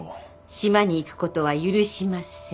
島に行くことは許しません。